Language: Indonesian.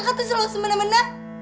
kakak tuh selalu semena mena